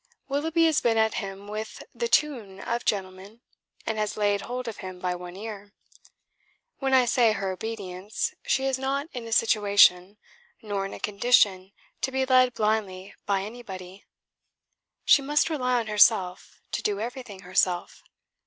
Willoughby has been at him with the tune of gentleman, and has laid hold of him by one ear. When I say 'her obedience,' she is not in a situation, nor in a condition to be led blindly by anybody. She must rely on herself, do everything herself.